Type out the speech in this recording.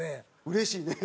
うれしいね！